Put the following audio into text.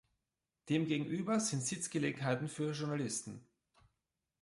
Demgegenüber sind Sitzgelegenheiten für Journalisten.